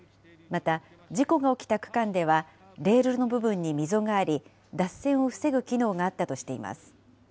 また、事故が起きた区間ではレールの部分に溝があり、脱線を防ぐ機能があったとしています。